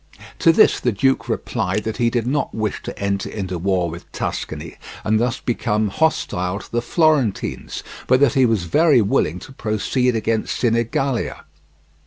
To this the duke replied that he did not wish to enter into war with Tuscany, and thus become hostile to the Florentines, but that he was very willing to proceed against Sinigalia.